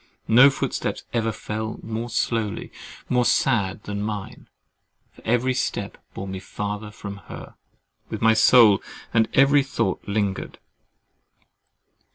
No footsteps ever fell more slow, more sad than mine; for every step bore me farther from her, with whom my soul and every thought lingered.